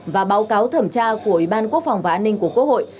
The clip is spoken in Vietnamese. và báo cáo thẩm tra của ủy ban quốc phòng và an ninh của quốc hội